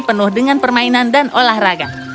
penuh dengan permainan dan olahraga